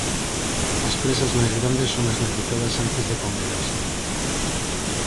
As presas máis grandes son esnaquizadas antes de comelas.